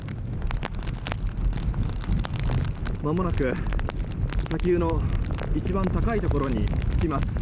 まもなく砂丘の一番高いところに着きます。